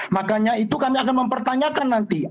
makanya itu kami akan mempertanyakan nanti